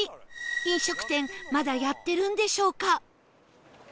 飲食店まだやってるんでしょうか？